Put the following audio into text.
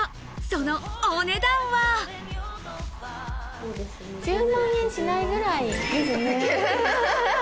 そのお値段は１０万円しないぐらいですね。